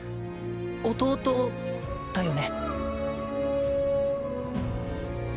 弟だよね？